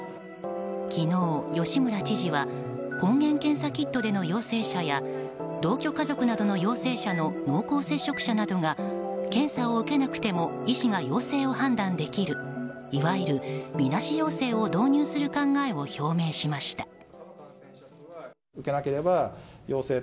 昨日、吉村知事は抗原検査キットでの陽性者や同居家族などの陽性者が濃厚接触者などが検査を受けなくても医師が陽性を判断できるいわゆる、みなし陽性を導入する考えを表明しました。